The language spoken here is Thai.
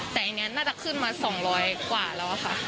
แต่อันนี้น่าจะขึ้นมา๒๐๐กว่าแล้วค่ะ